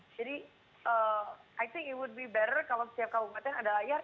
jadi i think it would be better kalau setiap kabupaten ada layar